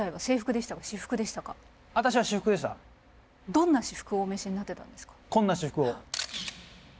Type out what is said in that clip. どんな私服をお召しになってたんですか？